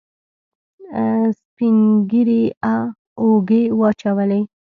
سپينږيري اوږې واچولې.